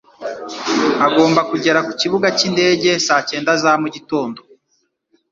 Agomba kugera ku kibuga cyindege saa cyenda za mu gitondo